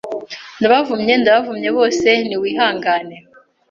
Ndabavumye! Ndabavumye bose! Ni wihangane